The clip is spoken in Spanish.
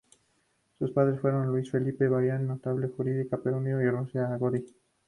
Sus padres fueron Luis Felipe Villarán, notable jurista peruano, y Rosalía Godoy.